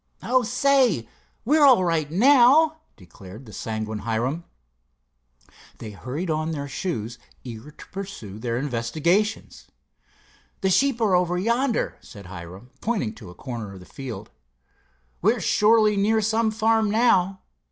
"Oh, say, we're all right now," declared the sanguine Hiram. They hurried on their shoes, eager to pursue their investigations. "The sheep are over yonder," said Hiram, pointing to a corner of the field. "We're surely near some farm now.